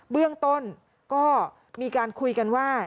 เบื้องต้นก็มีการคุยกันว่า